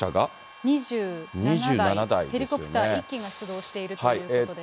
２７台、ヘリコプター１機が出動しているということです。